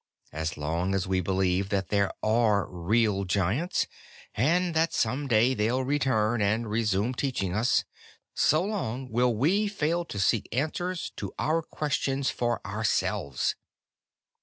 As long as we believe that there are real Giants, and that some day they'll return and resume teaching us, so long will we fail to seek answers to our questions for ourselves.